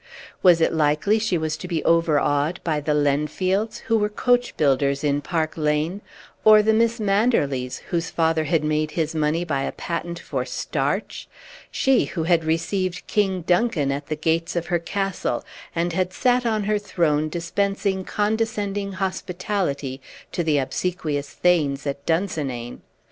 Was it likely she was to be overawed by the Lenfields, who were coach builders in Park Lane, or the Miss Manderlys, whose father had made his money by a patent for starch she, who had received King Duncan at the gates of her castle, and had sat on her throne dispensing condescending hospitality to the obsequious Thanes at Dunsinane?